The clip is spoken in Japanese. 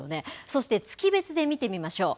そして月別で見てみましょう。